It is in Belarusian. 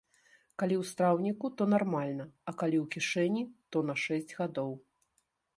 Калі ў страўніку, то нармальна, а калі ў кішэні, то на шэсць гадоў.